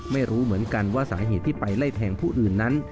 ไม่รู้เหมือนกันว่าสาเหตุที่ไปไล่แทงผู้อื่นนั้น